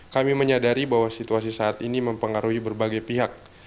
kami menyadari bahwa situasi saat ini mempengaruhi berbagai pihak